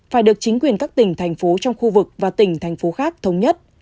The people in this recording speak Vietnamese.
phải được chính quyền các tỉnh thành phố trong khu vực và tỉnh thành phố khác thống nhất